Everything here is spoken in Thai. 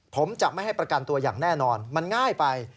ผมจะไม่ให้ประกันตัวอย่างแน่นอนมันง่ายไป